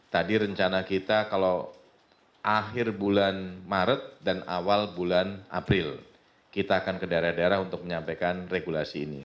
tadi rencana kita kalau akhir bulan maret dan awal bulan april kita akan ke daerah daerah untuk menyampaikan regulasi ini